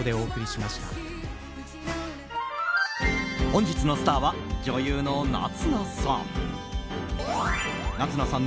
本日のスターは女優の夏菜さん。